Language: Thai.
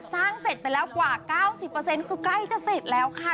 สร้างเสร็จไปแล้วกว่า๙๐คือใกล้จะเสร็จแล้วค่ะ